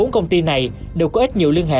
bốn công ty này đều có ít nhiều liên hệ